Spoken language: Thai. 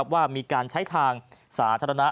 ว่ามีการใช้ทางสาธารณะ